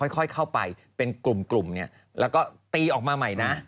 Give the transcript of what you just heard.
ค่อยเข้าไปเป็นกลุ่มแล้วก็ตีออกมาใหม่นะ